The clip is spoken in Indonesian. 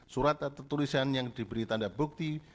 surat atau tulisan yang diberi tanda bukti